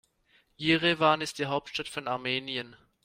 Jerewan ist die Hauptstadt von Armenien.